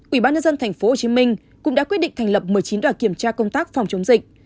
ubnd tp hcm cũng đã quyết định thành lập một mươi chín đoàn kiểm tra công tác phòng chống dịch